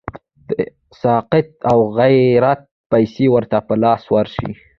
د سقاط او خیرات پیسي ورته په لاس ورشي.